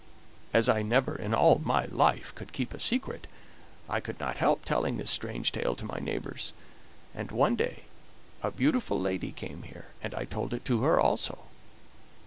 "As I never in all my life could keep a secret, I could not help telling this strange tale to my neighbors, and one day a beautiful lady came here, and I told it to her also.